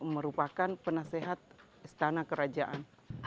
dan merupakan penasehat istana kerajaan